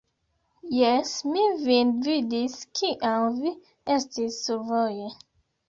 Jes, mi vin vidis kiam vi estis survoje